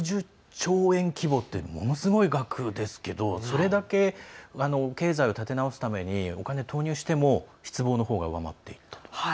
１１０兆円規模ってものすごい額ですけどそれだけ経済を立て直すためにお金を投入しても失望のほうが上回っていると。